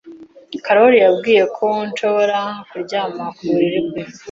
Karoli yambwiye ko nshobora kuryama ku buriri bwe.